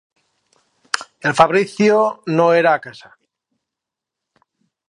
El Fabrizio no era a casa.